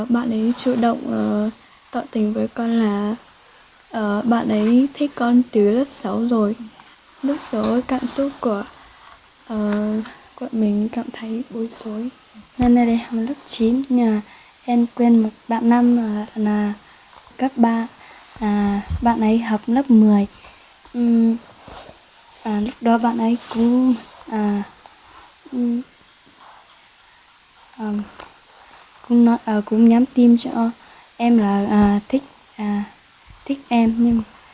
bạn ấy học lớp một mươi lúc đó bạn ấy cũng nhắm tim cho em là thích em